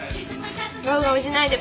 ガウガウしないで。